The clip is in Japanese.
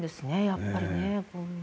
やっぱりね。